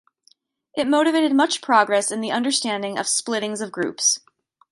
It motivated much progress in the understanding of splittings of groups.